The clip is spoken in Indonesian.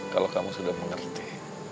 kalau kamu sudah mengerti